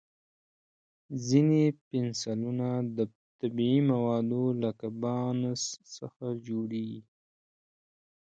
ځینې پنسلونه د طبیعي موادو لکه بانس څخه جوړېږي.